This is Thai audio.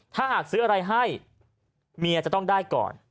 ถ้าหากซื้ออะไรให้เมียจะต้องได้ก่อน